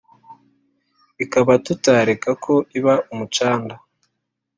Ikaba tutareka ko iba umucanda!"